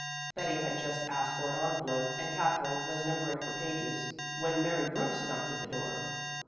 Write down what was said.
Betty had just asked for an envelope and Katherine was numbering her pages when Mary Brooks knocked at the door.